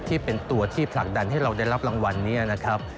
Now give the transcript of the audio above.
ที่เป็นตัวที่ผลักดันให้เราได้รับรางวัลนี้นะครับ